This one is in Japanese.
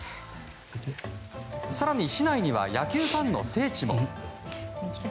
更に、市内には野球ファンの聖地も。